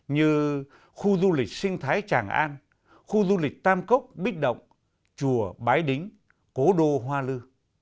như khu du lịch sinh thái tràng an khu du lịch tam cốc bích động chùa bái đính cố đô hoa lư